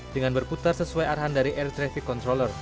dengan berputar sesuai arahan dari air traffic controller